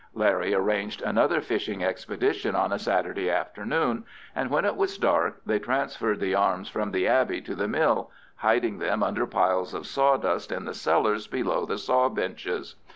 Larry arranged another fishing expedition on a Saturday afternoon, and when it was dark they transferred the arms from the abbey to the mill, hiding them under piles of sawdust in the cellars below the saw benches.